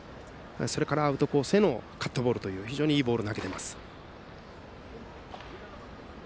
それから、アウトコースへのカットボールといういいボールを投げています。